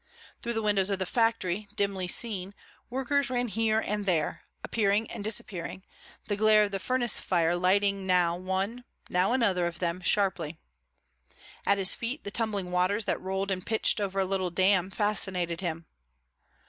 Through the windows of the factory, dimly seen, workers ran here and there, appearing and disappearing, the glare of the furnace fire lighting now one, now another of them, sharply. At his feet the tumbling waters that rolled and pitched over a little dam fascinated him.